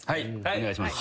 お願いします。